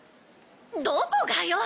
どこがよ！